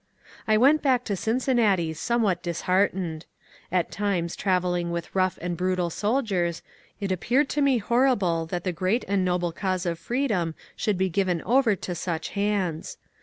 I went back to Cincinnati somewhat disheartened. At times > travelling with rough and brutal soldiers, it appeared to me ( horrible that the great and noble cause of freedom should be given over to such hands.